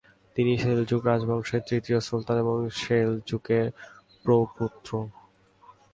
তিনি সেলজুক রাজবংশের তৃতীয় সুলতান এবং সেলজুকের প্রপৌত্র।